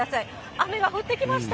雨が降ってきました。